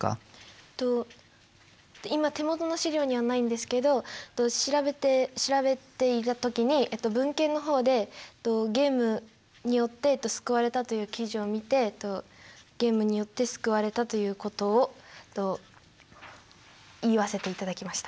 今手元の資料にはないんですけど調べて調べていた時に文献の方でゲームによって救われたという記事を見てゲームによって救われたということを言わせていただきました。